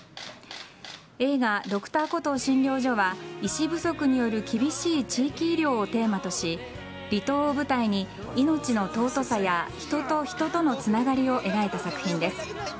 映画「Ｄｒ．コトー診療所」は医師不足による厳しい地域医療をテーマとし離島を舞台に命の尊さや人と人とのつながりを描いた作品です。